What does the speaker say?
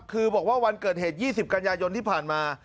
คือบอกว่าวันเกิดเหตุ๒๐กันยายนที่ผ่านมา